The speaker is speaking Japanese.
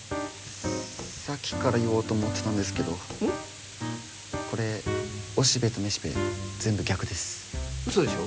さっきから言おうと思ってたんですけどこれおしべとめしべ全部逆ですウソでしょ？